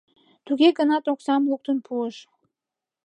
Туге гынат оксам луктын пуыш.